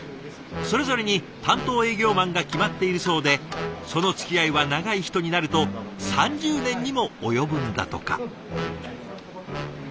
それぞれに担当営業マンが決まっているそうでそのつきあいは長い人になると３０年にも及ぶんだとか。